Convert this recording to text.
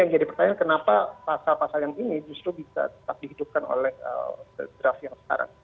jadi pertanyaan kenapa pasal pasal yang ini justru bisa tetap dihidupkan oleh draft yang sekarang